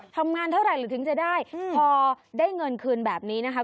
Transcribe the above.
ทำงานเท่าไหร่หรือถึงจะได้พอได้เงินคืนแบบนี้นะคะ